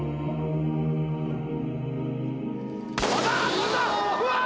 飛んだ！うわ！